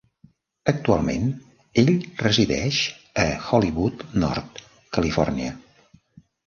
Actualment ell resideix a Hollywood Nord, Califòrnia.